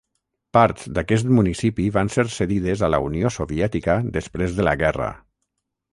Parts d'aquest municipi van ser cedides a la Unió Soviètica després de la guerra.